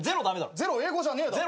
ゼロ英語じゃねえだろ。